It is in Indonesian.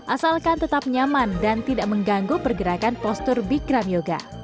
asalkan tetap nyaman dan tidak mengganggu pergerakan postur bikram yoga